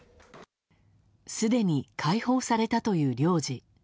すでに解放されたという領事。